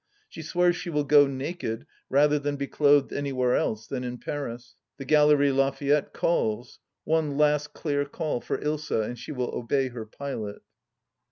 She swears she will go naked rather than be clothed anywhere else than in Paris. The Galerie Lafayette calls —" one last clear call " for Ilsa — and she will obey her pilot.